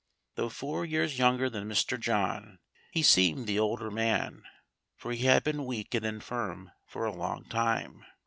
Though four years younger than Mr. John, he seemed the older man, for he had been weak and infirm for a long time.